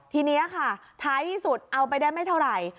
ทีนี้ค่ะท้ายที่สุดเอาไปได้ไม่เท่าไหร่